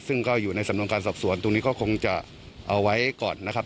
ซึ่งก็อยู่ในสำนวนการสอบสวนตรงนี้ก็คงจะเอาไว้ก่อนนะครับ